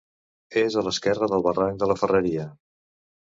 És a l'esquerra del barranc de la Ferreria.